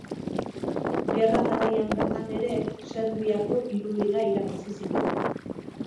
Gerra garaian bertan ere Serbiako hiru liga irabazi zituen.